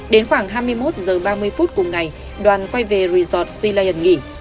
đến khoảng hai mươi một h ba mươi phút cùng ngày đoàn quay về resort sea lion nghỉ